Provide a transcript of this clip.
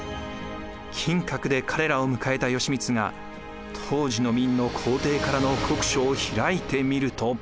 金閣で彼らを迎えた義満が当時の明の皇帝からの国書を開いてみると。